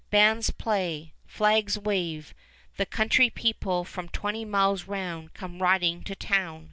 Bands play; flags wave; the country people from twenty miles round come riding to town.